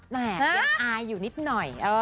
แม่ยังอายอยู่นิดหน่อย